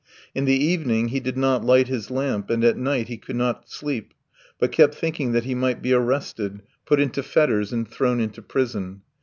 In the evening he did not light his lamp, and at night he could not sleep, but kept thinking that he might be arrested, put into fetters, and thrown into prison.